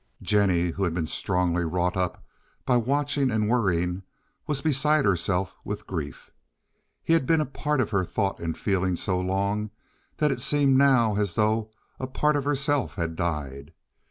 Jennie, who had been strongly wrought up by watching and worrying, was beside herself with grief. He had been a part of her thought and feeling so long that it seemed now as though a part of herself had died.